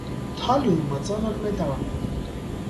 Թալիումը ծանր մետաղ է։